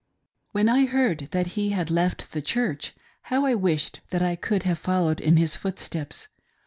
When I heard that he had left the Church, how I wished that I could have followed in his footsteps.